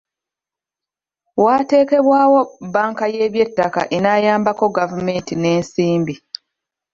Wateekebwewo bbanka y’eby'ettaka enaayambako gavumenti n’ensimbi.